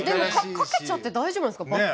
かけちゃっても大丈夫なんですか？